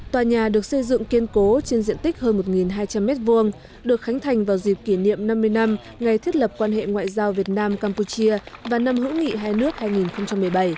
tòa nhà được xây dựng kiên cố trên diện tích hơn một hai trăm linh m hai được khánh thành vào dịp kỷ niệm năm mươi năm ngày thiết lập quan hệ ngoại giao việt nam campuchia và năm hữu nghị hai nước hai nghìn một mươi bảy